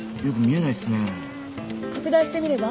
拡大してみれば？